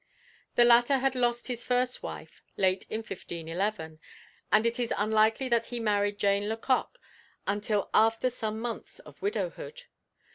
The latter had lost his first wife late in 1511, and it is unlikely that he married Jane Lecoq until after some months of widowhood.